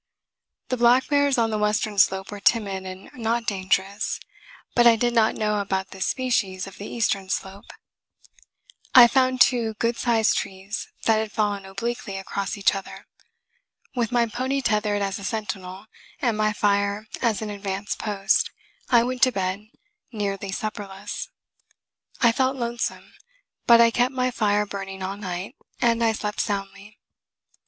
The black bears on the western slope were timid and not dangerous; but I did not know about this species of the eastern slope. I found two good sized trees that had fallen obliquely across each other. With my pony tethered as a sentinel, and my fire as an advance post, I went to bed, nearly supperless. I felt lonesome; but I kept my fire burning all night, and I slept soundly.